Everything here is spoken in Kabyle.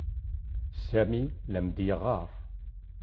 Sami la am-d-yeɣɣar.